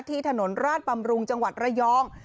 ถนนราชบำรุงจังหวัดระยอง